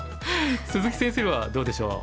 鈴木先生はどうでしょう？